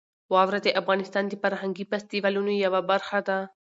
واوره د افغانستان د فرهنګي فستیوالونو یوه برخه ده.